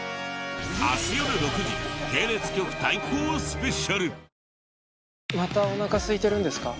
明日よる６時系列局対抗スペシャル。